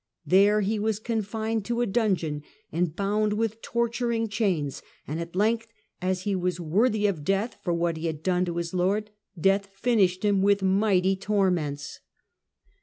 There " he was confined in a dungeon and bound with torturing chains ; and at length, as he was worthy of death for what he had done to his lord, death finished him with mighty torments